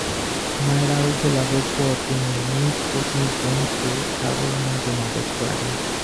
মায়ের আরোগ্য লাভের পর তিনি নিজ পত্নীর বোনকে ছাগল আনার জন্য আদেশ করেন।